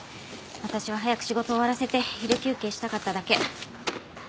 私は早く仕事を終わらせて昼休憩したかっただけ。